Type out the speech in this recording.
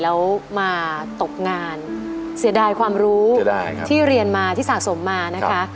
แล้วมาตกงานเสียดายความรู้ที่เรียนมาที่สะสมมานะคะ